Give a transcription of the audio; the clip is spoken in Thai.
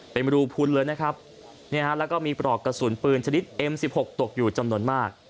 เป็นรูพุนเลยนะครับแล้วก็มีปลอกกระสุนปืนชนิดเอ็มสิบหกตกอยู่จำนวนมาก